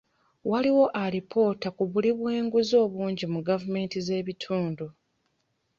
Waliwo alipoota ku buli bw'enguzi obungi mu gavumenti z'ebitundu.